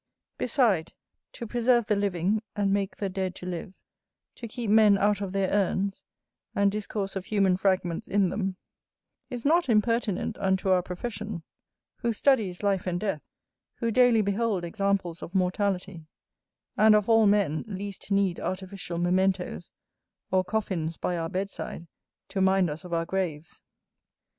Beside, to preserve the living, and make the dead to live, to keep men out of their urns, and discourse of human fragments in them, is not impertinent unto our profession; whose study is life and death, who daily behold examples of mortality, and of all men least need artificial mementos, or coffins by our bedside, to mind us of our graves.